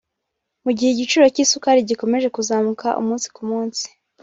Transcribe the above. Mu gihe igiciro cy’isukari gikomeje kuzamuka umunsi ku munsi